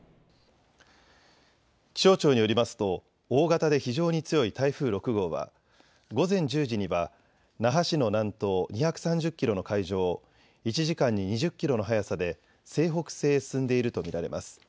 気象庁によりますと大型で非常に強い台風６号は午前１０時には那覇市の南東２３０キロの海上を１時間に２０キロの速さで西北西へ進んでいると見られます。